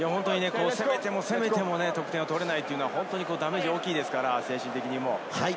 攻めても攻めても得点取れないのはダメージが大きいですから、精神的にも。